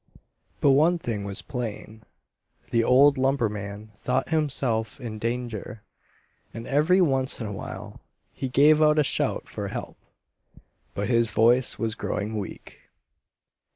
But one thing was plain: the old lumberman thought himself in danger, and every once in a while he gave out a shout for help. But his voice was growing weak.